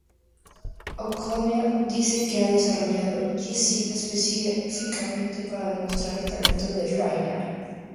O'Connell dice que ha desarrollado "Jessie" específicamente para demostrar el talento de Ryan.